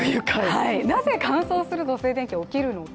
なぜ乾燥すると静電気が起きるのか。